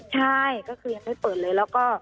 อ๋อใช่ก็คือยังไม่เปิดเลย